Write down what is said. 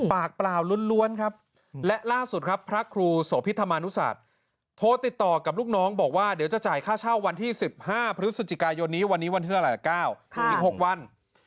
เปล่าล้วนครับและล่าสุดครับพระครูโสพิธรรมนุศาสตร์โทรติดต่อกับลูกน้องบอกว่าเดี๋ยวจะจ่ายค่าเช่าวันที่๑๕พฤศจิกายนนี้วันนี้วันที่เท่าไหร่๙อีก๖วัน